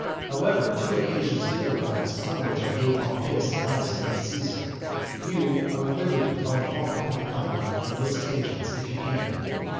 However, two occasions did arise, on which I gave Pompeius advice against Caesar. You are at liberty to find fault with my conduct on those occasions if you can.